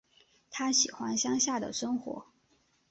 她喜欢乡下的生活